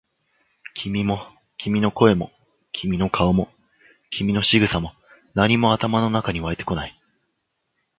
君も、君の声も、君の顔も、君の仕草も、何も頭の中に湧いてこない。